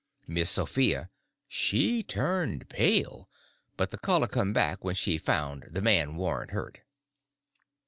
Miss Sophia she turned pale, but the color come back when she found the man warn't hurt.